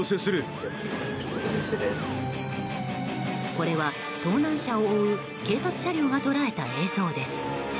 これは盗難車を追う警察車両が捉えた映像です。